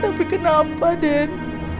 tapi kenapa dan